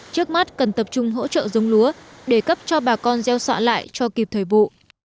trước mắt cần tập trung hỗ trợ giống lúa để cấp cho bà con gieo xạ lại cho kịp thời vụ